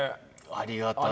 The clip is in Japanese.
ありがたい。